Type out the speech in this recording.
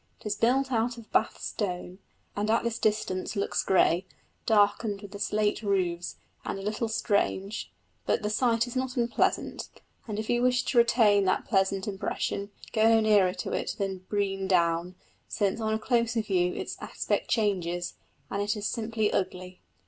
It is built of Bath stone, and at this distance looks grey, darkened with the slate roofs, and a little strange; but the sight is not unpleasant, and if you wish to retain that pleasant impression, go not nearer to it than Brean Down, since on a closer view its aspect changes, and it is simply ugly.